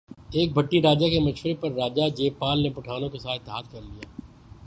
ایک بھٹی راجہ کے مشورے پر راجہ جے پال نے پٹھانوں کے ساتھ اتحاد کر لیا